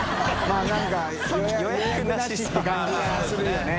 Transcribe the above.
泙何か「予約なし」っていう感じがするよね。